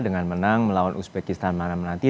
dengan menang melawan uzbekistan mana mana nanti